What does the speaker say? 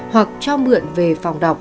hoặc cho mượn về phòng đọc